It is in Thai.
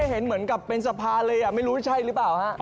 เห็นเหมือนกับเป็นสะพานเลยไม่รู้ใช่หรือเปล่าฮะ